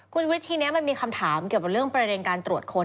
คุณชวิตทีนี้มันมีคำถามเกี่ยวกับเรื่องประเด็นการตรวจค้น